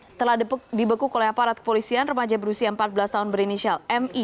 setelah dibekuk oleh aparat kepolisian remaja berusia empat belas tahun berinisial mi